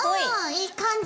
いい感じ！